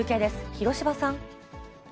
広芝さん。